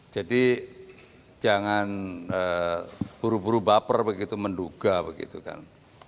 jadi jangan buru buru baper begitu menduga begitu kan